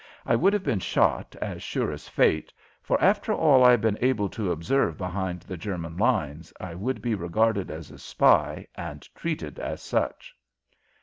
I would have been shot, as sure as fate, for, after all I had been able to observe behind the German lines, I would be regarded as a spy and treated as such.